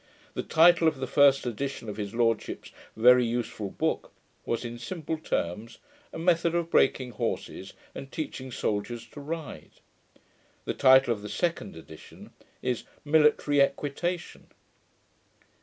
The title of the first edition of his lordship's very useful book was, in simple terms, A Method of Breaking Horses and Teaching Soldiers to Ride. The title of the second edition is, Military Equitation.